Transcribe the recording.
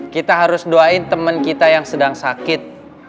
kita harus doain teman kita yang sedang sakit